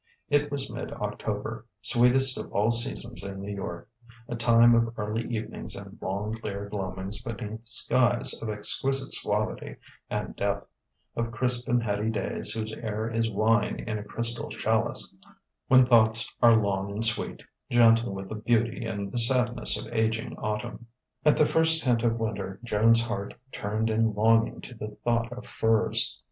It was mid October: sweetest of all seasons in New York; a time of early evenings and long, clear gloamings beneath skies of exquisite suavity and depth; of crisp and heady days whose air is wine in a crystal chalice; when thoughts are long and sweet, gentle with the beauty and the sadness of aging autumn. At the first hint of winter Joan's heart turned in longing to the thought of furs.